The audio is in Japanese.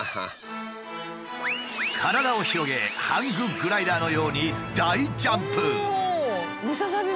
体を広げハンググライダーのように大ジャンプ！